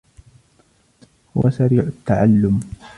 هو سريع التعلم.